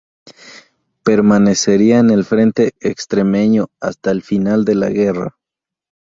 Permanecería en el frente extremeño hasta el final de la guerra.